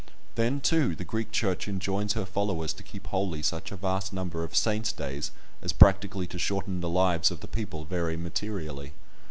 Then, too, the Greek Church enjoins her followers to keep holy such a vast number of saints' days as practically to shorten the lives of the people very materially.